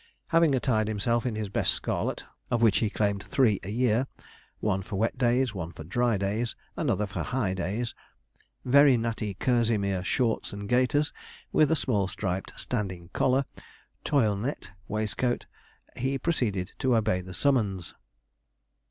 Having attired himself in his best scarlet, of which he claimed three a year one for wet days, one for dry days, another for high days very natty kerseymere shorts and gaiters, with a small striped, standing collar, toilenette waistcoat, he proceeded to obey the summons.